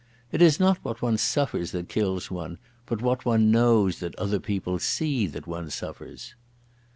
It is not what one suffers that kills one, but what one knows that other people see that one suffers.